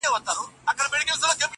حال دا چې ته یې په دلیل هم نه پوهېږې